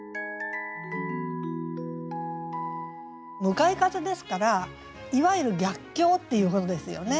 向かい風ですからいわゆる逆境っていうことですよね。